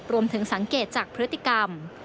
รวมถึงสังเกตจากพฤติกรรม